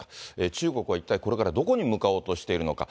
中国は一体これからどこに向かおうとしているのか。